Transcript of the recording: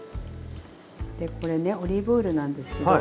でこれねオリーブオイルなんですけど。